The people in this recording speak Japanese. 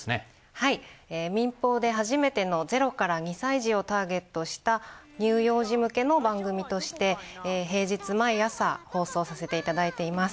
はい民放で初めての０から２歳児をターゲットした乳幼児向けの番組として平日毎朝放送させていただいています。